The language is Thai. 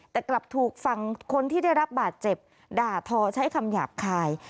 แต่กลับถูกฝั่งคนที่ได้รับบาดเจ็บด่าทอใช้คำหยาบคาย